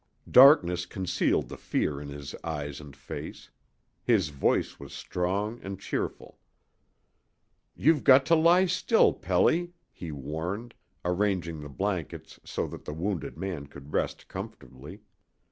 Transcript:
Darkness concealed the fear in his eyes and face. His voice was strong and cheerful. "You've got to lie still, Pelly," he warned, arranging the blankets so that the wounded man could rest comfortably.